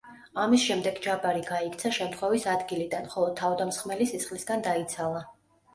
ამის შემდეგ ჯაბარი გაიქცა შემთხვევის ადგილიდან, ხოლო თავდამსხმელი სისხლისგან დაიცალა.